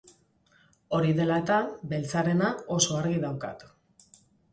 Hori dela eta, beltzarena oso argi daukat.